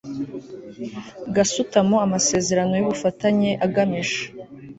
gasutamo amasezerano y ubufatanye agamije